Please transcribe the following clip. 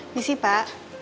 ini sih pak